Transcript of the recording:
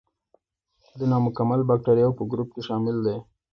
د نامکمل باکتریاوو په ګروپ کې شامل دي.